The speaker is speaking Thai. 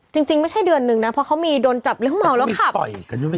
จริงไม่ใช่เดือนนึงนะเพราะเขามีโดนจับเรื่องเมาแล้วขับ